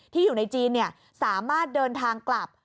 อยู่ในจีนสามารถเดินทางกลับ